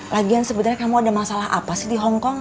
lagian sebenarnya kamu ada masalah apa sih di hongkong